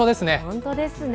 本当ですね。